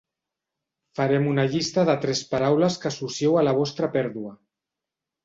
Farem una llista de tres paraules que associeu a la vostra pèrdua.